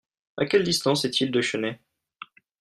À quelle distance est-il de Chennai ?